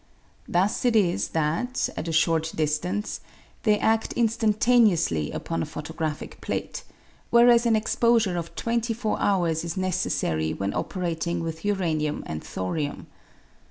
Thus it is that, at a short distance, they adt instantaneously upon a photographic plate, whereas an exposure ot twenty four hours is necessary when operating with uranium and thorium.